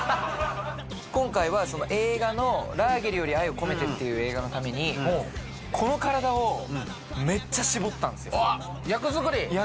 今回は映画「ラーゲリより愛を込めて」っていう映画のためにこの体をメッチャ絞ったんですよ役作り？